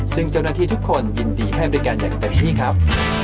ซึ่งเจ้าหน้าที่ทุกคนยินดีให้บริการอย่างเต็มที่ครับ